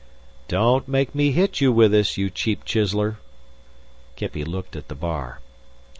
"Don't make me hit you with this, you cheap chiseler." Kippy looked at the bar.